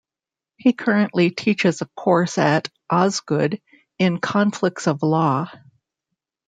He currently teaches a course at Osgoode in conflicts of law.